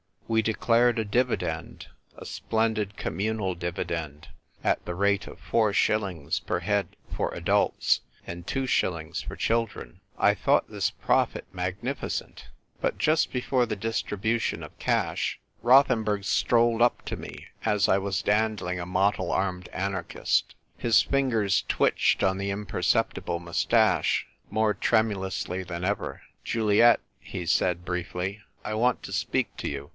We declared a dividend, a splendid communal dividend, at the rate of four shillings per head for adults, and two shillings for children. I thought this profit magnificent. But just before the distribution of cash, Rothenburg strolled up to me, as I was dandling a r.iottle armed anarchist. His fingers twitched on the imperceptible moustache more tremu lously than ever. " Juliet," he said, briefly, " I want to speak to you."